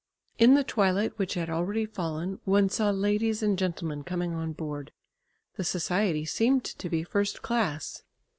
In the twilight which had already fallen one saw ladies and gentlemen coming on board. The society seemed to be first class.